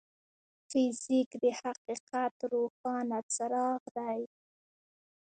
فزیک د حقیقت روښانه څراغ دی.